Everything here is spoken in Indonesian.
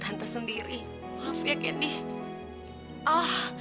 tanda sudah menganggap kamu